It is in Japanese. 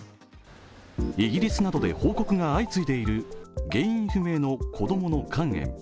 イギリスなどで報告が相次いでいる原因不明の子供の肝炎。